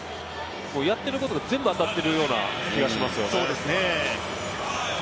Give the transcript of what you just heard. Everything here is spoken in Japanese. やってることが全部当たってるような気がしますね。